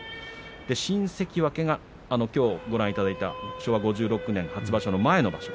新関脇がきょうご覧いただいた昭和５６年初場所の前の場所